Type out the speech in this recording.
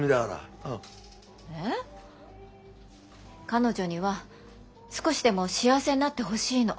彼女には少しでも幸せになってほしいの。